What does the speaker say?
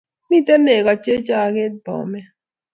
Miten neko che chaket Bomet